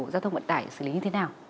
giao thông vận tải xử lý như thế nào